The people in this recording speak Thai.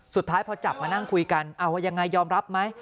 สุดท้ายพอจับมานั่งคุยกันเอายังไงยอมรับไหม